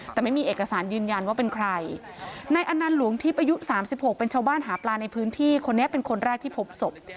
แต่ไม่มีเอกสารยืนยันว่าเป็นใครนายอันนั้นหลวงที่ประยุ๓๖เป็นชาวบ้านหาปลาในพื้นที่คนนี้เป็นคนแรกที่พบศพ